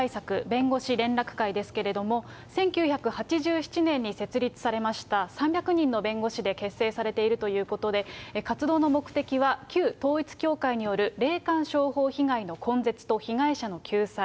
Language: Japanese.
弁護士連絡会ですけれども、１９８７年に設立されました３００人の弁護士で結成されているということで、活動の目的は、旧統一教会による霊感商法被害の根絶と被害者の救済。